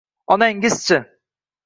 Onangiz-chi?